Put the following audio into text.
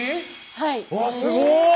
はいうわっすごい！